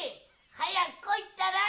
はやくこいったら！